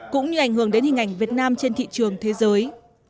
cũng như ảnh hưởng đến hình ảnh việt nam trên thị trường thế giới